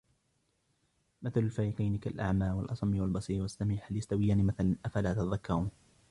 مثل الفريقين كالأعمى والأصم والبصير والسميع هل يستويان مثلا أفلا تذكرون